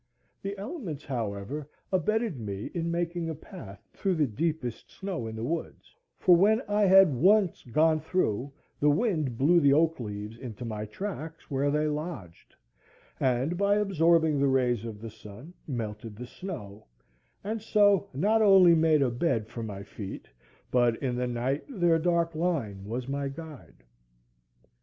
The elements, however, abetted me in making a path through the deepest snow in the woods, for when I had once gone through the wind blew the oak leaves into my tracks, where they lodged, and by absorbing the rays of the sun melted the snow, and so not only made a dry bed for my feet, but in the night their dark line was my guide.